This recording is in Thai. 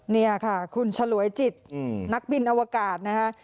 นี่ค่ะคุณฉลวยจิตนักบินอวกาศนะคะ